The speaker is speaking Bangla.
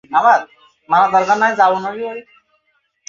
তবে এটা নিশ্চিত, শীতকালে সকালে ঘুম থেকে ওঠা তার মধ্যে অন্যতম।